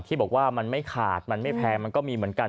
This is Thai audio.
ที่บอกว่ามันไม่ขาดมันไม่แพงมันก็มีเหมือนกัน